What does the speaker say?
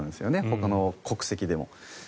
ほかの国籍にも。